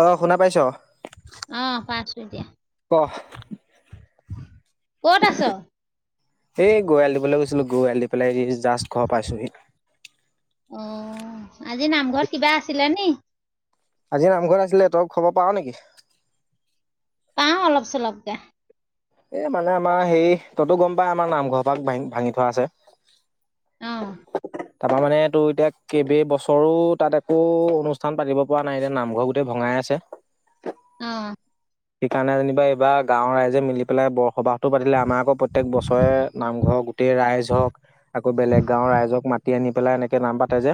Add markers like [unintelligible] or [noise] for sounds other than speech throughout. অ, শুনা পাইছ? অ, পাইছো এতিয়া, ক কত আছ? ছিল গোৱলিপ পেলাই জাষ্ট ঘৰ পাইছোঁহি অঁ আজি নামঘৰত কিবা আছিলে নি আজি নামঘত আছিলে তই খবৰ পাৱ নেকি পাওঁ অলপ চলপকে এ মানে আমাৰ সেই তইতো গম পাৱ আমাৰ নামঘৰ পৰা ভা ভাঙি থোৱা আছে অঁ তাৰ মানে তোৰ এতিয়া কেইব বছৰো তাত একো অনুষ্ঠান পাতিব পৰা নাই এতিয়া নামঘৰ গোটেই ভঙাই আছে অ সেইকাৰণে যেনিবা এইবাৰ গাঁৱৰ ৰাইজে মিলি পেলাই বৰসবাহ টো পাতিলে আমাৰ আকৌ প্ৰত্যেক বছৰে নামঘৰ গোটেই ৰাইজ হক আকৌ বেলেগ গাঁৱৰ ৰাইজক মাতি সি নি পেলাই এনেক নাম পাতে যে,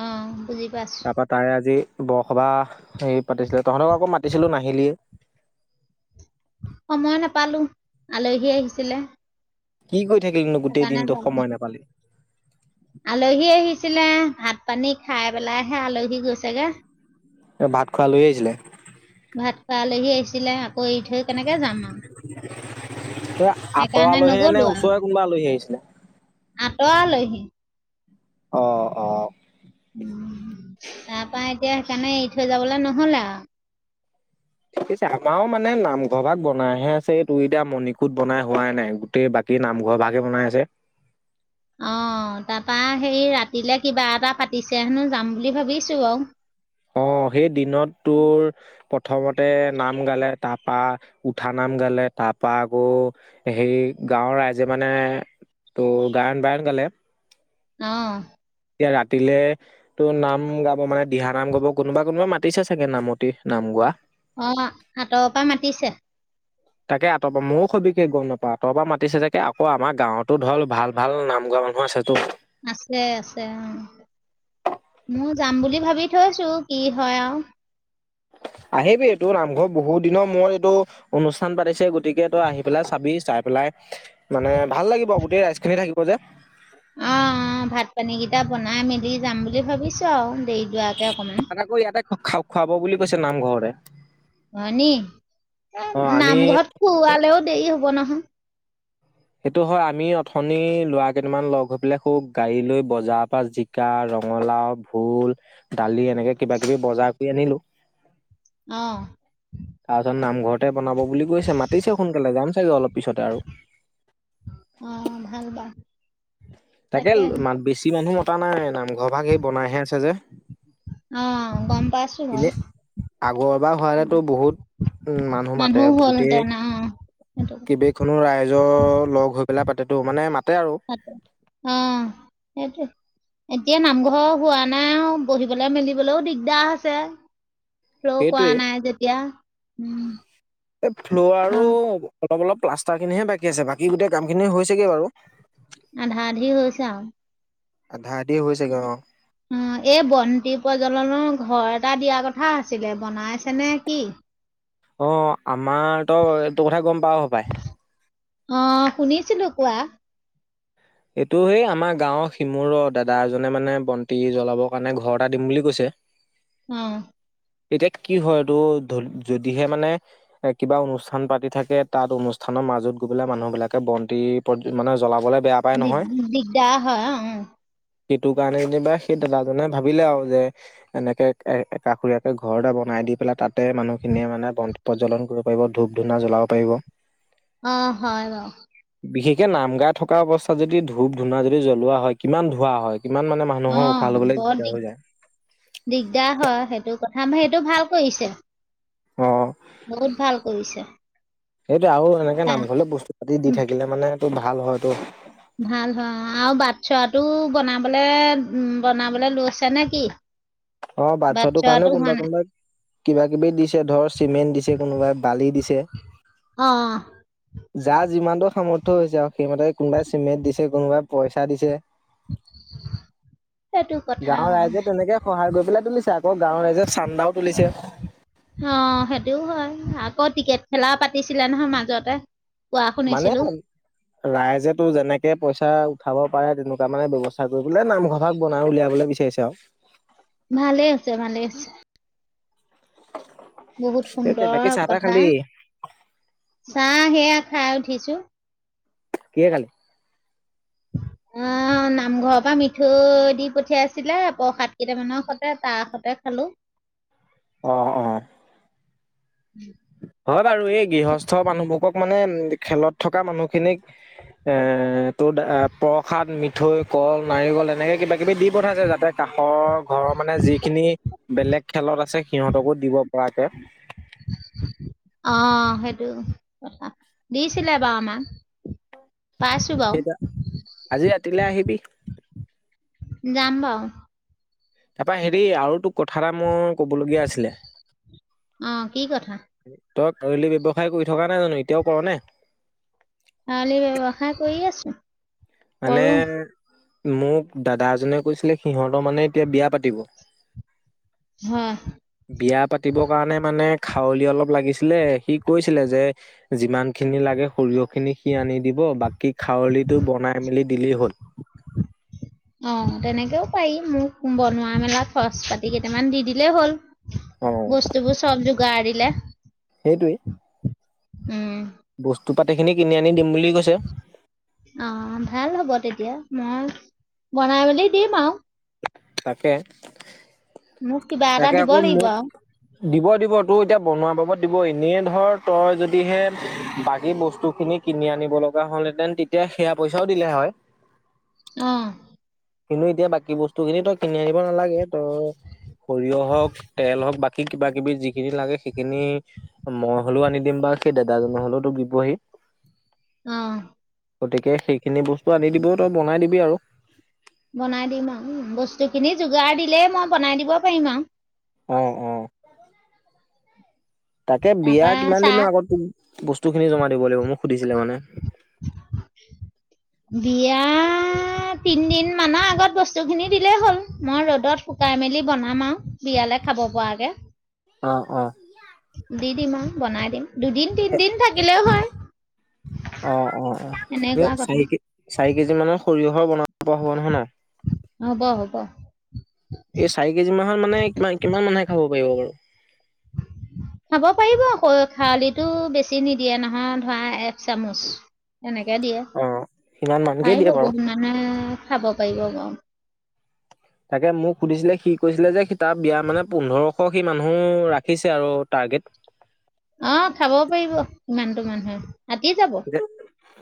অ', বুজি পাইছো। তাৰে আজি বৰসবাহ সেই পাতিছিল, তহঁতক আকৌ মাতিছিলো নাই হিলিএ সময় নাপালো, আলহী আহিছিলে। কি কৰি থাকিলিনো গোটেই সেইকাৰণে দিনটো, যাব ন। সময় নাপালি। আলহী আহিছিলে, ভাত পানী খাই পেলাইহে আলহী গৈছেগে। এ ভাত খোৱা আলহি আহিছিলে? ভাত খোৱা আলহি আহিছিলে, আক অঁ, আঁতৰৰ সেইকাৰণে আলহী নে নগ'লো ওচৰৰে কোনোবা আলহী আহিছিলে? তাৰ আলহি। অঁ-অঁ। উম, তা পা এতিয়া সেইকাৰণে এৰি থৈ যাবলে নহল আৰু। ঠিক আছে আমাৰও মানে নামঘৰ ভাগ পি পিছে আমাও মানে বনাইহে আছে, এই তোৰ এতিয়া মণিকূট বনাই হোৱাই নাই, গোটেই বাকী নামঘৰ ভাগহে বনাই আছে। অঁ, তাপা হেই ৰাতিলে কিবা এটা পাতিছে হেনো যাম বুলি ভাবিছো আৰু। অঁ, সেই দিনত তোৰ, প্ৰথমতে নাম গালে, তাপা উঠা নাম গালে, তাপা আকৌ হেই গাঁৱৰ ৰাইজে মানে তোৰ গায়ন বায়ন গালে। অঁ। এতিয়া ৰাতিলে টো নাম গাব মানে দিহা নাম গাব কোনোবা কোনোবা মাতিছে চাগে নামতি, নাম গোৱা অঁ, আতৰৰ পৰা মাতিছে? তাকে আঁতৰ পৰা, ময়ো সবিশেষ গম নাপাওঁ, আতৰৰ পৰা মাতিছে চাগে, আকৌ আমাৰ গাঁৱতো ধৰ ভাল ভাল নাম গোৱা মানুহ আছেতো। আছে আছে অঁ, মোৰ যাম বুলি ভাবি থৈছো কি হয় আউ। আহিবি এই তোৰ নামঘৰত বহুত দিনৰ মূৰত এইটো অনুষ্ঠান পাতিছে গতিকে তই আহি পেলাই চাবি চাই পেলাই, মানে ভাল লাগিব গোটেই ৰাইজ খিনি থাকিব যে। অ', অ', ভাত পানীকেইটা বনাই মেলি যাম বুলি ভাবিছোঁ আৰু দেৰি দুৱাক ত আকৌ ইয়াতে খা খুৱাব বুলি কৈছে নামঘৰতে। হয়নি, অ এ আমি নামঘৰত খোৱালেও দেৰি হব নহয়। হ [inaudible] সেইটো হয়, আমি অথনি লৰা কেইটামান লগ হৈ পেলাই খৌ গাড়ী লৈ বজাৰ পৰা জিকা, ৰঙালাও ভোল, দালি, এনেকে কিবা কিবি বজাৰ কৰি আনিলো। অঁ। তাৰপিছত নামঘৰতে বনাব বুলি কৈছে, মাতিছে সোনকালে যাম চাগে অলপ পিছতে আৰু অ ভাল বাও। তাকে, মাত বেছি মানুহ পা নাই, নামঘৰ ভাগেই বনাইহে আছে যে। অ', গম পাইছো এনে, বাৰু। আগৰ বাাৰ হোৱালেতো বহুত, উম, মানুহ মাতে গোটেই হ'লহেঁতেন অ', সেইটো কেইবখনো ৰাইজ নিজৰ লগ হৈ পেলাই পাতেটো মানো তাতে আৰু অ‍ঁ সেইটো, এতিয়া নামঘৰ হোৱা নাই আৰু, বহিবলৈ মেলিবলৈও দিগদাৰ আছে। ক্' কোৱা সেইটোৱে নাই যেতিয়া উম এ ফ্ল আৰু হয় অলপ অলপ প্লাষ্টাৰ খিনিহে বাকী আছে বাকী গোটেই কামখিনি হৈছেগে বাৰু আধা আধি হৈছে আৰু আধা আধি হৈছেগে অ অ এই বন্তি প্ৰজ্বলনৰো ঘৰ এটা দিয়া কথা আছিলে বনাইছে নে কি অ আমাৰ তো এইটো কথা গম প অ শুনিছিলো কোৱা এইটো সেই আমাৰ গাঁৱৰ সিমুৰ দাদা এজনে মানে বন্তি জ্বলাবৰ কাৰণে ঘৰ এটা দিম বুলি কৈছে অম এতিয়া কি হয় এইটো ধ যদিহে মানে এ কিবা অনুষ্ঠান পাতি থাকে তাত অনুষ্ঠানৰ মাজত গৈ পেলাই মানুহ বিলাকে বন্তি মানে জ্বলাবলৈ দ দিগদা হ উ সেইটো কাৰণে যেনিবা সেই দাদাজনে ভাবিলে আৰু যে এনেকে কষুৰীয়াকে ঘৰ এতে বনাই দি পেলাই তাতে মানুহখিনিয়ে মানে বন প্ৰজ্বলন কৰিব পাৰিব ধূপ ধূনা জ্বলাব পাৰিব অ হয় এ ন বিশেষকে নাম গাই থকা অৱস্থা াত যদি ধূপ ধুনা যদি জ্বলোৱা হয় কিমান ধোোৱা হয় কিমান মানে মানুহৰ উশাহ অ' লবলৈ বৰ দিগদাৰ দিগ হৈ যায় দিগদাৰ হয় সেইটো কথা ম সেইটো ভাল কৰিছে অ বহুত ভাল কৰিছে আৰু এনেকে আহ, নামঘৰলে বস্তু পাতি দি উম, থাকিলে মানে ভাল হয়তটো ভাল হয় আৰু বাট চৰাটো বনাবলে উ বনাবলে লৈ আছে নে কি অ বাচ্ছাটো কাৰণে বাটচৰাটো হোৱা কোনোবা নাই কোনোবাক কিবা কিবি দিছে ধৰ চিমেণ্ট দিছে কোনোবাই বালি দিছে অ' যাৰ যিমানটো সামৰ্থ হৈছে আৰু সেইমতে কোনবাই চিমেণ্ট দিছে কোনোবাই পইচা দিছে সেটু কথা গৈ পেলে তুলিচা আকৌ গাঁওৰ ৰাইজে চান্দাও তুলিছে অ', সেইটোও হয়, আকৌ ক্ৰিকেট খেলাও পাতিছিলে নহয় মাজতে কোৱা মানে শুনিছিলো, ৰাইজেতটো যেনেকে পইচা খাব পাৰে তেনেকুৱা মানে ব্যৱস্থা কৰিবলে নামঘোকা বনাই উলিয়াবলৈ বিচাৰিছে আৰু ভালে আছে ভালে আছে বহুত সেইটোৱে বাকী সুন্দৰ চাহ তাহ কথা খালি চাহ সেয়া খাই উঠিছো। কিহেৰে খালি? অ নামঘৰৰ পৰা মিঠোই দি পঠিয়াইছিলে প্ৰসাদ কেইটামান সতে তাৰ সতে খালো। অহ অহ। হয় বাৰু এই গৃহস্থ মানুহ বোৰকক মানে খেলত থকা মানুহ খিনিক এ তোৰ প্ৰসাদ মিঠোই কল নাৰিকল এনেকে কিবা কিবি দি পঠাইছে যাতে কাষৰ ঘৰৰ মানে যিখিনি বেলেগ খেলত আছে সিহঁতকো দিব পৰাকে। অ সেইটো কথা দিছিলে বাৰু আমাক। পাইছো সেই বাৰু। তা- আজি আহিবি [unintelligible] যাম ৰ। তাৰপৰা হেৰি আৰু তুক কথা এটা মোৰ কবলগীয়া আছিলে অ', কি কথা? তই আলি ব্যৱসায় কৰি থকা নাই জানো এতিয়াও কৰ নে [unintelligible] আলি ব্যৱসায় কৰি আছে। মানে মোক দাদা এজনে কৈছিলে সিহঁতৰ মানে এতিয়া বিয়া পাতিব হয়। বিয়া পাতিবৰ কাৰণে মানে খাৱলি অলপ লাগিছিলে সি কৈছিলে যে যিমান খিনি লাগে সৰিয়হখিনি সি আনি দিব বাকী খাৱলিটো বনাই মেলি দিলেই হল। অ তেনেকেও পাৰি মোক বনোৱা মেলা খচ পাতি কেইটামান দি দিলেই হ'ল। অ' বস্ত বোৰ চ [unintelligible] সেই টোৱেই। বস্তু তোৰ পাতিখিনি কিনি আনিম। অ ভাল হ'ব তেতিয়া। ময় বনাই মেলি দিম আও। তাকে। মোক কিবা এটা তাকে দিব আকৌ লাগিব মোক আৰু। দিব দিব তোৰ এতিয়া বনোৱা পাব দিব এনেই ধৰ তই যদিহে বাকী বস্তু খিনি কিনি আনিব লগা হ'লহেঁতেন তেতিয়া সেয়া পইচাও দিলে হয়। অ। কিন্তু এতিয়া বাকী বস্তু খিনি তই কিনি আনিব নালাগে তই সৰিয়হ হওক তেল হওক বাকী কিবা কিবি যিখিনি লাগে সেইখিনি মই হলেও আনি দিন বা মেই দেদা জনে হলেও দিব হি। অ। গতিকে সেইখিনি বস্তু আনি দিবি তই বনাই দিবি আৰু। বনাই দিম আৰু বস্তুখিনি যোগাৰ দিলেই মই বনাই দিব পাৰিম আৰু। অ অ। তাকে বিয়া তাৰপা কিমান চাহ দিনৰ আগত তোক বস্তু তু খিনি জমা দিব লাগিব মোক সুধিছিলে মানে। বিয়া তিনদিন মানৰ আগত বস্তু খিনি দিলেই হ'ল মই ৰ'দত শুকাই মেলি বনাম আৰু বিয়ালে খাব পৰাকে। অঁ অঁ। দি দিম আৰু বনাই দিম। দুদিন এ তিনিদিন থাকিলেও হয়। অ অ-অ এই এনেকুৱা কথা চাৰি কে চাৰি কেজি মানৰ সৰিয়হ ঘৰ বনাব পৰা হ'ব নহয় ন হ'ব হ'ব এই চাৰি কেজি মাহত মানে কিমান-কিমান মানুহে খাব [unintelligible] খাব পাৰিব আকৌ খাৰলিতো বেছি নিদিয়ে নহয় ধৰা এক চামুচ। এনেকে দিয়ে, অ', সিমান মানকে পাৰিব দিয়ে বাৰু। ব মানুহে খাব পাৰিব বাৰু। তাকে মোক সুধিছিলে সি কৈছিলে যে সি তাৰ বিয়া মানে পোন্ধৰশ সি মানুহ ৰাখিছে আৰু টাৰ্গেট। অঁ খাবও পাৰিব ইমানতো মানুহে। আঁতি যাব এতিয়া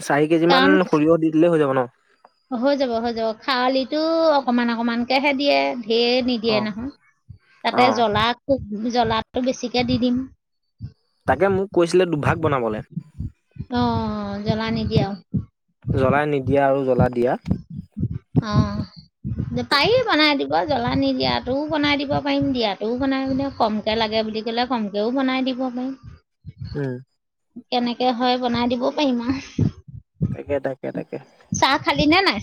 চাৰি কেজি মান কাৰণ সৰিয়হ দি দিলেই হৈ যাব ন। হৈ যাব- হৈ যাব খাৰলিটো অকমান অকমানকেহে দিয়ে। ধেৰ নিদিয়ে অ', নহয়, তাতে অ', জ্বলা খু জ্বলাটো বেছিকে দি দিম। তাকে মোক কৈছিলে দুভাগ বনাবলে। অ' জ্বলা নিদিয়ে আৰু। জ্বলাই নিদিয়া আৰু জ্বলা দি অ' পাৰি বনাই দিব, জ্বলা নিদিয়াটোও বনাই দিব পাৰিম, দিয়াটোও বনাই দিম, কমকে লাগে বুলি ক'লে কমকৈও বনাই দিব পাৰিম। উম কেনেকে হয় বনাই দিবও পাৰিম আৰু। তাকে তাকে - তাকে। চাহ খালি নে নাই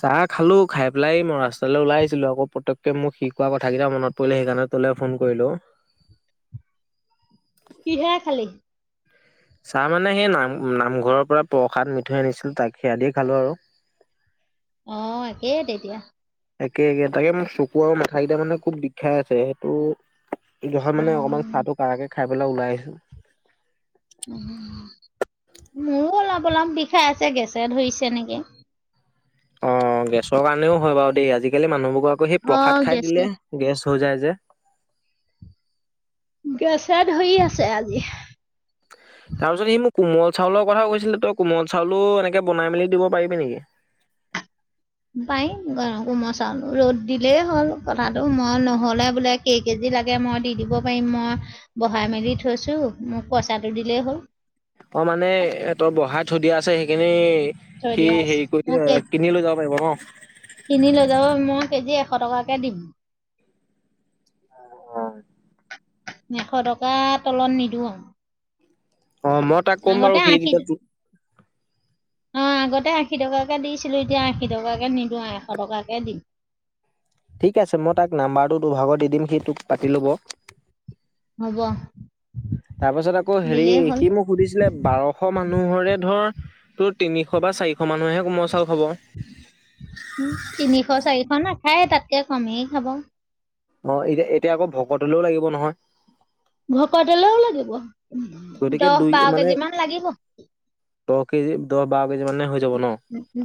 চাহ খালো। খাই পেলাই এই মই ৰাস্তালৈ ওলাই আহিছিলো আকৌ, পতককে মোৰ সি কোৱা কথাকেইটা মনত পৰিলে, সেইকাৰণে তোলে ফোন কৰিলো। কি হেৰে খালী। চাহ মানে সেই নাম নামঘৰৰ পৰা প্ৰসাদ মিঠৈ আনিছিল তাক সেইয়া দি খালো আৰু। অঁ একেই তেতিয়া। একে একে তাকে মোৰ চকু আৰু মাথা কেইটা মানে খুব বিষাই আছে, সেইটো সেইটো কাৰণে অ মানে অকমান চাহ তো কাৰাকে খাই পেলাই ওলাই আহিছোঁ। মোৰো অলপ- অলপ বিষাই আছে, গেছে ধৰিছে নেকি। অ' গেছৰ কাৰণেও হয় বাৰু দেই আজিকালি মানুহবোৰ বুলি অ প্ৰসাদ খাই গেছে দিলে গেছ হৈ যায় যে। গেছে ধৰি আছে আজি। তাৰ পিছত সি মোক কোমল চাউলৰ কথা কৈছিলে, তই কোমল চাউলো এনেকে বনাই মেলি দিব পাৰিবি নেকি। পাৰিম কোমল চাউলো ৰ'দ দিলেই হ'ল কথাটো মই নহ'লে বোলে কেই কেজি লাগে মই দি দিব পাৰিম মই বহাই মেলি থৈছোঁ মোক পইচাটো দিলেই হ'ল অ মানে এ তই বহাই থ দিয়া আছে সেইখিনি সি দিয়া আছ হেৰি কৰি মই কে কিনি লৈ যাব পাৰিব ন? কিনি লৈ যাব মই কেজি শ টকাকে দিম অ এশ টকা তলত নিদিওঁ আৰু অ মই তাক ক'ম বাৰু আগতে আশী সেইদিনা অ আগতে আশী টকাকে দিছিলো এতিয়া আশী টকাকে নিদিওঁ এশ টকাকে দিম ঠিক আছে মই তাক নাম্বাৰটো দুভাগত দি দিম সি তোক পাতি ল'ব হ'ব তাৰপাছত আকৌ হেৰি দিলেই হ'ল সি মোক সুধিছিলে বাৰশ মানুহৰে ধৰ তোৰ তিনিশ বা চিশ মানুহে মই চা উ তিনিশ চাৰিশ ন খাই তাতকে কমেই খাব অ এতিয়া এতিয়া আকৌ ভকতলৈও লাগিব নহয় ভক দলেও লাগিব গতিকে দহ দুই বাৰ কেজি মান লাগিব বহ দহ ব কে মানে যাব ন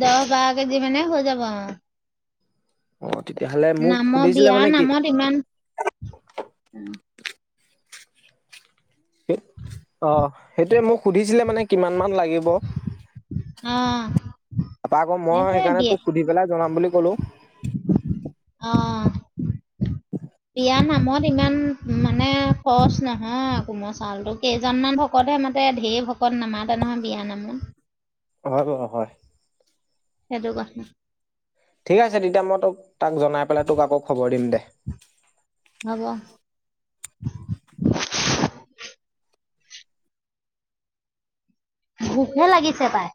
দহ বাৰ কেজি মানে হৈ যাব অ অ তেতিয়াহ'লে মোক নামৰ সুধিছিলে মানে বিয়াৰ কি নামত ইমান স অ সেইটোৱে মোক সুধিছিলে মানে কিমান মান লাগিব অ তাৰাপা আকৌ মই সেইটোয়ে সেইকাৰণে বিয়া তোক সুধি পেলাই জনাম বুলি ক'লো অ বিয়া নামত ইমান মানে খৰচ নহয় কোমল চাউলতটো কেইজনমান ভকতহে মাতে ধঢেৰ ভকত নামাতে নহয় বিয়া নামত অ অ হয় সেইটো বা ঠিক আছে তেতিয়া মই তোক তাক জনাই পেলাই তোক আকৌ খবৰ দিম দে হ'ব [inaudible] ভোকহে লাগিছে তাই